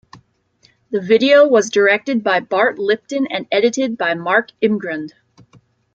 The video was directed by Bart Lipton and edited by Mark Imgrund.